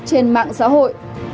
trên mạng xã hội